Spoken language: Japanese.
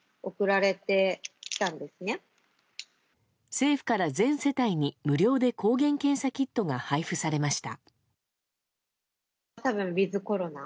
政府から全世帯に無料で抗原検査キットが配布されました。